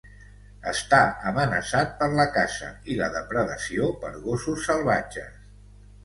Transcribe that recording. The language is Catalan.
Està amenaçat per la caça i la depredació per gossos salvatges.